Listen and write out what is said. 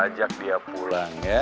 ajak dia pulang ya